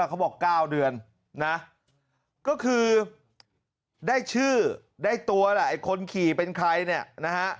เขาบอก๙เดือนนะก็คือได้ชื่อได้ตัวแหละไอ้คนขี่เป็นใครเนี่ยนะฮะ